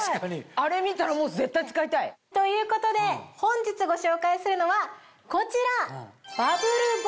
あれ見たら絶対使いたい。ということで本日ご紹介するのはこちら！